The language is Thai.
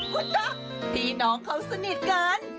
คุณตั๊กพี่น้องเขาสนิทกัน